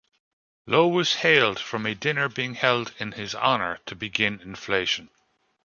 Lowe was hailed from a dinner being held in his honor to begin inflation.